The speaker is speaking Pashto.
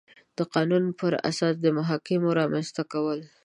د قانون پر اساس د محاکمو رامنځ ته کول